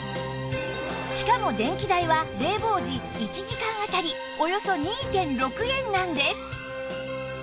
しかも電気代は冷房時１時間あたりおよそ ２．６ 円なんです